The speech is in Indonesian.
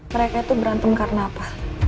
mereka itu berantem karena apa